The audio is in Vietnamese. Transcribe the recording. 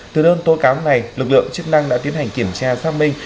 từ đơn tố cáo này lực lượng chức năng đã tiến hành kiểm tra xác minh